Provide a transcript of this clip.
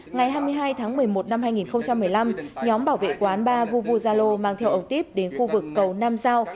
ngày hai mươi hai tháng một mươi một năm hai nghìn một mươi năm nhóm bảo vệ quán ba vuvuzalo mang theo ổng tiếp đến khu vực cầu nam giao